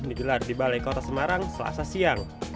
digelar di balai kota semarang selasa siang